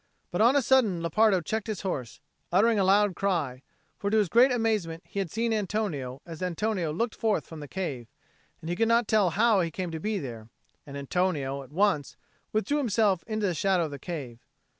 But on a sudden Lepardo checked his horse, uttering a loud cry; for to his great amazement he had seen Antonio as Antonio looked forth from the cave, and he could not tell how he came to be there: and Antonio at once withdrew himself into the shadow of the cave.